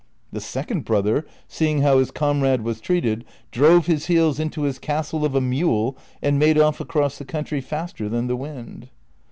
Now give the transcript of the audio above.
The second brother, seeing how his comrade was treated, drove his heels into his castle of a mule and made off across the country faster than the Avind.